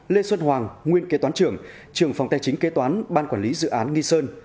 lê xuân hoàng nguyên kế toán trưởng trường phòng tài chính kế toán ban quản lý dự án nghi sơn